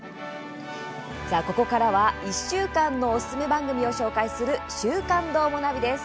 ここからは１週間のおすすめ番組を紹介する「週刊どーもナビ」です。